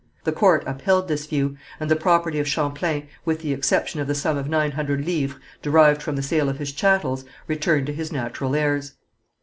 The court upheld this view, and the property of Champlain, with the exception of the sum of nine hundred livres, derived from the sale of his chattels, returned to his natural heirs.